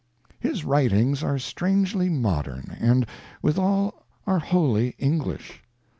His writings are strangely modern, and, withal, are wholly English.